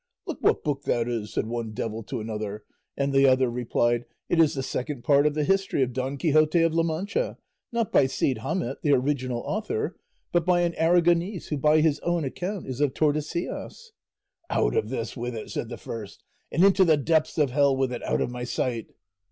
'Look what book that is,' said one devil to another, and the other replied, 'It is the "Second Part of the History of Don Quixote of La Mancha," not by Cide Hamete, the original author, but by an Aragonese who by his own account is of Tordesillas.' 'Out of this with it,' said the first, 'and into the depths of hell with it out of my sight.